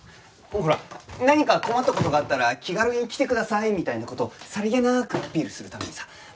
ほら何か困った事があったら気軽に来てくださいみたいな事をさりげなくアピールするためにさ。